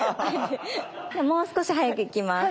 もう少し速くいきます。